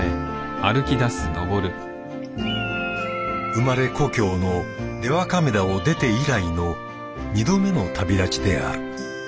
生まれ故郷の出羽亀田を出て以来の２度目の旅立ちである。